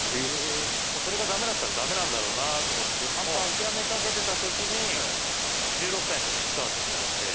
それがダメだったらダメなんだろうなと思って半分諦めかけてた時に１６歳の時にスカウトされて。